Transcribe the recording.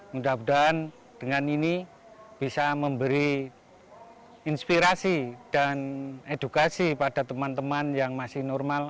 mudah mudahan dengan ini bisa memberi inspirasi dan edukasi pada teman teman yang masih normal